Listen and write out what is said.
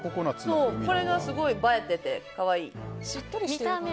これがすごい映えていて可愛い！